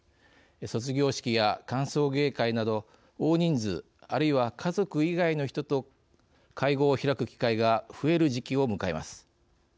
卒業式や歓送迎会など大人数あるいは家族以外の人と会合を開く機会が増える時期を迎えます。